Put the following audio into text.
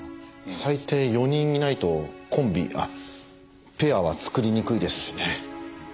最低４人いないとコンビあっペアは作りにくいですしね。